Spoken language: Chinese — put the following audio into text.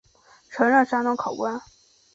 曾任山东考官。